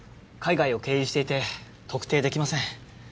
海外を経由していて特定できません。